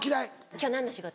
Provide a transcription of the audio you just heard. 「今日何の仕事？」。